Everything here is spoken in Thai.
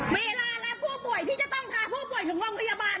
เวลาและพวกป่วยพี่จะต้องคาพวกป่วยถึงกรงพยาบาล